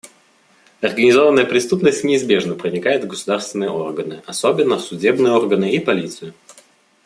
Организованная преступность неизбежно проникает в государственные органы, особенно в судебные органы и полицию.